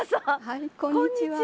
はいこんにちは。